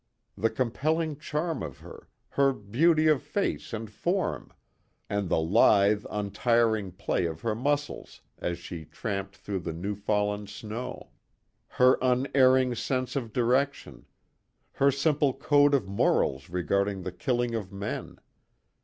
The compelling charm of her, her beauty of face and form, and the lithe, untiring play of her muscles as she tramped through the new fallen snow. Her unerring sense of direction. Her simple code of morals regarding the killing of men.